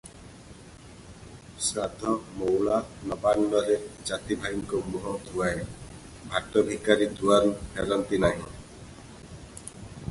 ଶ୍ରାଦ୍ଧ, ମଉଳା, ନବାନ୍ନରେ ଜାତିଭାଇଙ୍କ ମୁହଁ ଧୁଆଏ, ଭାଟ ଭିକାରୀ ଦୁଆରୁ ଫେରନ୍ତି ନାହିଁ ।